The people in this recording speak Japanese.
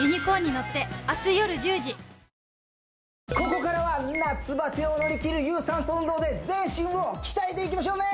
ここからは夏バテを乗り切る有酸素運動で全身を鍛えていきましょうね